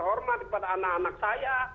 hormat kepada anak anak saya